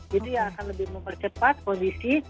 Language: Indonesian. jadi akan lebih mempercepat kondisi